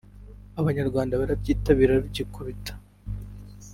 abanyarwanda barabyitabira rugikubita